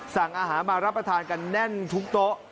สั่งอาหารมารับประทานกันแน่นทุกโต๊ะ